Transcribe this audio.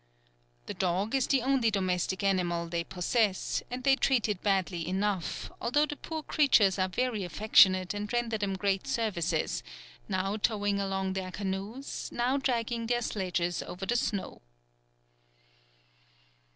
The dog is the only domestic animal they possess, and they treat it badly enough, although the poor creatures are very affectionate and render them great services, now towing along their canoes, now dragging their sledges over the snow.